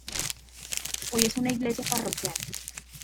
Hoy es una iglesia parroquial.